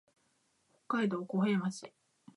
北海道小平町